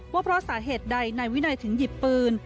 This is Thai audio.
ว่าเพราะสาเหตุใดนายวินัยถึงหยิบปืน